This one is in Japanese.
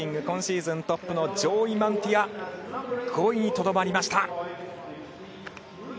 今シーズントップのマンティアは５位にとどまりました。